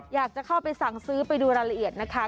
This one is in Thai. อยากจะเข้าไปสั่งซื้อไปดูรายละเอียดนะคะ